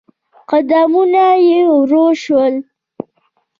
قدمونه يې ورو شول.